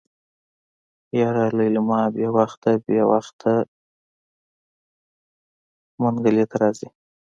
يره ليلما بې وخته بې وخته منګلي ته راځي.